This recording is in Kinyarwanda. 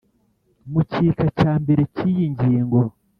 mu gika cya mbere cy iyi ngingo